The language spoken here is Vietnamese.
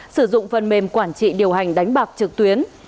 sử dụng phần mềm quản trị điều hành đánh bạc trực tuyến